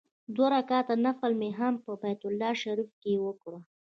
دوه رکعته نفل مې هم په بیت الله شریفه کې وکړ.